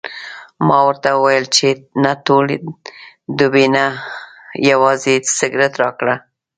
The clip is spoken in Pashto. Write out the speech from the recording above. ما ورته وویل چې نه ټول ډبې نه، یوازې یو سګرټ راکړه.